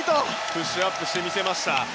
プッシュアップして見せました。